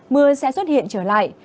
mưa sẽ xuất hiện trở lại